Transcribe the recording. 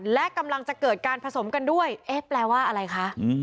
และกำลังจะเกิดการผสมกันด้วยเอ๊ะแปลว่าอะไรคะ